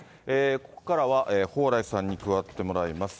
ここからは、蓬莱さんに加わってもらいます。